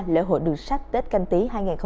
lễ hội đường sách tết canh tí hai nghìn hai mươi